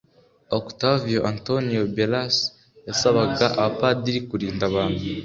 Octavio Antonio Beras yasabaga abapadiri kurinda abantu